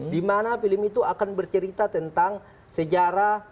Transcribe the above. di mana film itu akan bercerita tentang sejarah